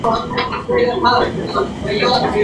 صادقانه اړیکي د بریالي تدریس ضمانت کوي.